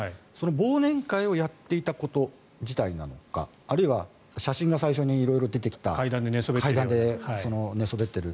忘年会をやっていたこと自体なのかあるいは写真が最初に色々出てきた階段で寝そべってる。